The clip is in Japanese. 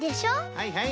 はいはい！